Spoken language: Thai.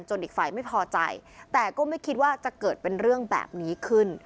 อีกฝ่ายไม่พอใจแต่ก็ไม่คิดว่าจะเกิดเป็นเรื่องแบบนี้ขึ้น